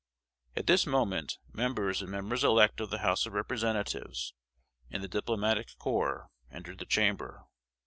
At this moment, members and members elect of the House of Representatives, and the Diplomatic Corps, entered the chamber.